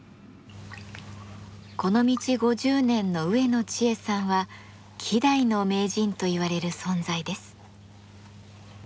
この道５０年の植野知恵さんは希代の名人といわれる存在です。